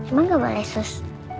emang gak boleh sus